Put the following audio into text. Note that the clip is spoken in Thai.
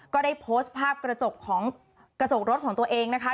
ก็ได้โพสต์ภาพกระจกของกระจกรถของตัวเองนะคะ